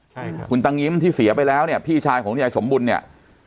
ใช่ค่ะคุณตังงิ้มที่เสียไปแล้วเนี่ยพี่ชายของยายสมบุญเนี่ย